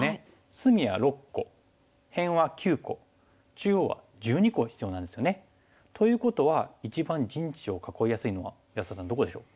隅は６個辺は９個中央は１２個必要なんですよね。ということは一番陣地を囲いやすいのは安田さんどこでしょう？